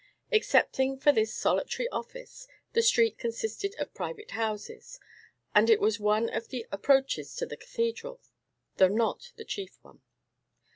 Excepting for this solitary office, the street consisted of private houses, and it was one of the approaches to the cathedral, though not the chief one.